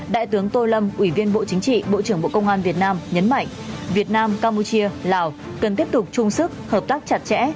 đại tướng tô lâm ủy viên bộ chính trị bộ trưởng bộ công an việt nam nhấn mạnh việt nam campuchia lào cần tiếp tục chung sức hợp tác chặt chẽ